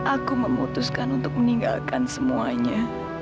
aku memutuskan untuk meninggalkan semuanya